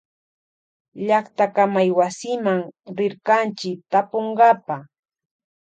Llactakamaywasiman rirkanchi tapunkapa.